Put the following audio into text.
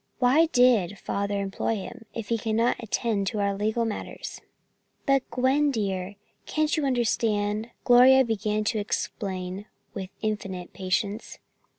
"Why did Father employ him, if he cannot attend to our legal matters?" "But, Gwen, dear, can't you understand?" Gloria began to explain with infinite patience.